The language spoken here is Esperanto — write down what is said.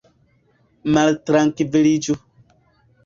maltrankviliĝu